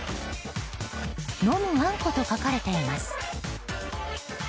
「飲むあんこ」と書かれています。